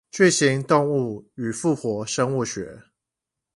巨型動物與復活生物學